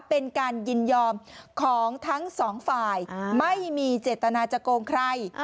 เป็นการยินยอมของทั้งสองฝ่ายไม่มีเจตนาจะโกงใคร